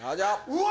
うわ！